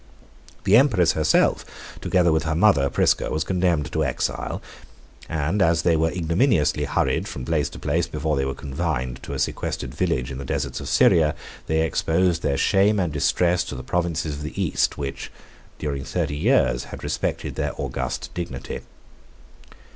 The empress herself, together with her mother Prisca, was condemned to exile; and as they were ignominiously hurried from place to place before they were confined to a sequestered village in the deserts of Syria, they exposed their shame and distress to the provinces of the East, which, during thirty years, had respected their august dignity.